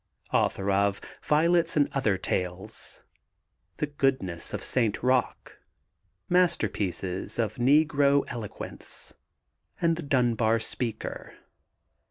Author of Violets and Other Tales, The Goodness of St. Rocque, Masterpieces of Negro Eloquence, and The Dunbar Speaker.